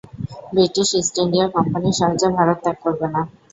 British East India Company সহজে ভারত ত্যাগ করবে না।